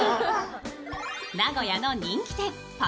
名古屋の人気店